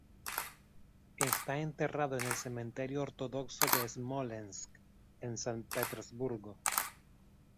Está enterrado en el cementerio ortodoxo de Smolensk, en San Petersburgo.